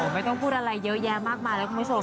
ไม่ต้องพูดอะไรเยอะแยะมากมายนะคุณผู้ชม